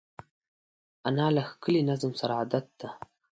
انا له ښکلي نظم سره عادت ده